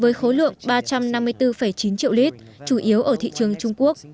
với khối lượng ba trăm năm mươi bốn chín triệu lít chủ yếu ở thị trường trung quốc